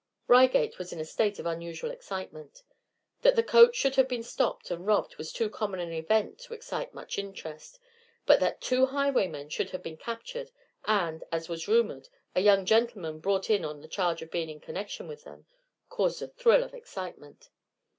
Reigate was in a state of unusual excitement. That the coach should have been stopped and robbed was too common an event to excite much interest, but that two highwaymen should have been captured, and, as was rumored, a young gentleman brought in on a charge of being in connection with them, caused a thrill of excitement.